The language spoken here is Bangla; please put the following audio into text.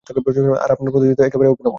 আর আপনার পদ্ধতি তো একেবারে অভিনব।